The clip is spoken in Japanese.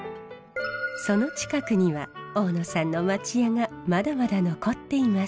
その近くには大野さんの町家がまだまだ残っています。